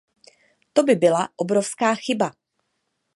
To by byla obrovská chyba.